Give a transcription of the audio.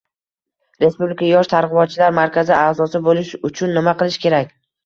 Respublika yosh targ‘ibotchilar markazi a’zosi bo‘lish uchun nima qilish kerak?